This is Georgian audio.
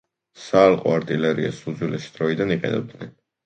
საალყო არტილერიას უძველესი დროიდან იყენებდნენ.